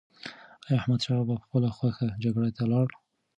ایا احمدشاه بابا په خپله خوښه جګړې ته لاړ؟